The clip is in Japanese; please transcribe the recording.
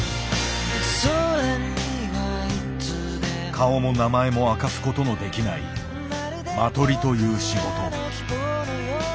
顔も名前も明かすことのできないマトリという仕事。